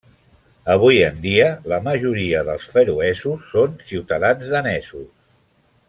Avui en dia, la majoria dels feroesos són ciutadans danesos.